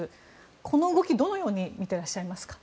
この動きをどのように見ていらっしゃいますか？